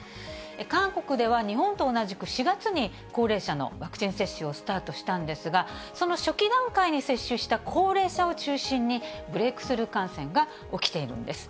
韓国では日本と同じく４月に高齢者のワクチン接種をスタートしたんですが、その初期段階に接種した高齢者を中心に、ブレイクスルー感染が起きているんです。